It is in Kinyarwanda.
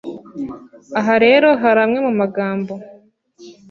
Aha rero hari amwe mu magambo